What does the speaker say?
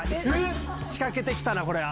⁉仕掛けて来たなこれは。